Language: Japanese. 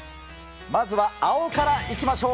まずは青からいきましょう。